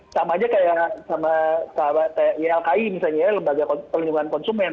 sama aja kayak sama ylki misalnya ya lembaga perlindungan konsumen